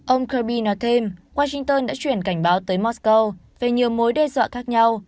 ông kirby nói thêm washington đã chuyển cảnh báo tới mosco về nhiều mối đe dọa khác nhau